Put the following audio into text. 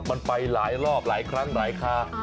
มันไปหลายรอบหลายครั้งหลายคา